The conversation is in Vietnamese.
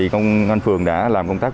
công an phường đã làm công tác